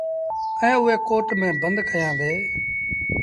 ائيٚݩ آئي ڪوٽ ميݩ بند ڪيآݩدي۔